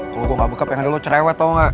kalo gue gak bekap yang ada lo cerewet tau gak